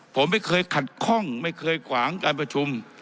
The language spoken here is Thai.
ผมไม่เคยขัดข้องไม่เคยขวางการประชุม